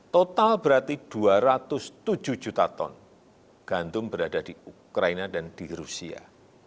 total berarti dua ratus tujuh juta ton gantung berada di ukraina dan di rusia